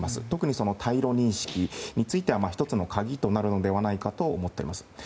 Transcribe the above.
特に対露認識については１つの鍵になるのではないかと思っています。